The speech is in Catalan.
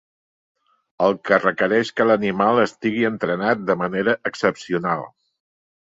El que requereix que l'animal estigui entrenat de manera excepcional.